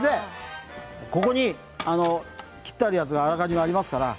ここに切ってあるやつあらかじめありますから。